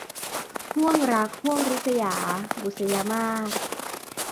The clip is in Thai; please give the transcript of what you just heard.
ห้วงรักห้วงริษยา - บุษยมาส